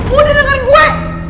lo udah denger gue